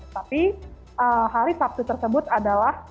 tapi hari sabtu tersebut adalah